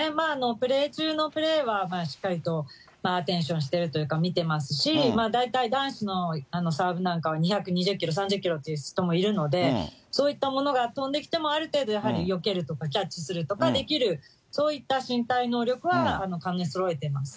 プレー中のプレーはしっかりとしてるといいますか、見てますし、大体男子のサーブなんかは、２２０キロ、３０キロという人もいるので、そういったものが飛んできても、ある程度、やはりよけるとか、キャッチするとかできる、そういった身体能力は兼ね備えています。